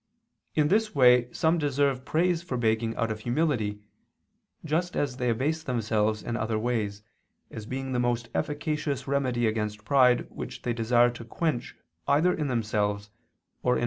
In this way some deserve praise for begging out of humility, just as they abase themselves in other ways, as being the most efficacious remedy against pride which they desire to quench either in themselves or in others by their example.